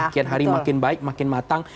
kian hari makin baik makin matang